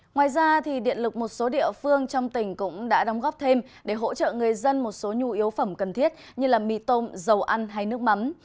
ngoài ra điện lực một số địa phương trong tỉnh cũng đã đóng góp thêm để hỗ trợ người dân một số nhu yếu phẩm cần thiết như mì tôm dầu ăn hay nước mắm